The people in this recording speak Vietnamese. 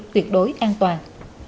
tuyệt đối an toàn